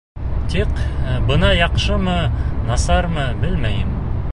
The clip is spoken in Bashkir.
Тик бына яҡшымы, насармы, белмәйем.